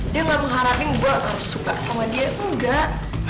dia gak mengharapin gue harus suka sama dia enggak